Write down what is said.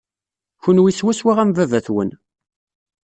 Kenwi swaswa am baba-twen.